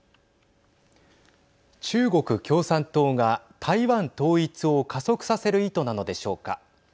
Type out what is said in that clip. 中国共産党が台湾統一を加速させる意図なのでしょうか。